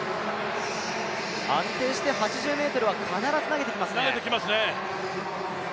安定して８０ｍは必ず投げてきますね